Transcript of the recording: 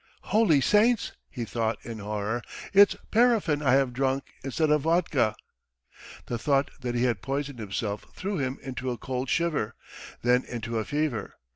"Holy saints," he thought in horror, "it's paraffin I have drunk instead of vodka." The thought that he had poisoned himself threw him into a cold shiver, then into a fever.